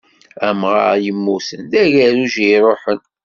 Amɣar yemmuten, d agerruj i yeṛuḥen.